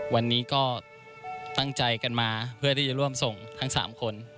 วันนี้ก็ตั้งใจกันมาเพื่อที่จะร่วมส่งทั้ง๓คน